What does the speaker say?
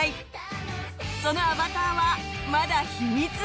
そのアバターはまだ秘密。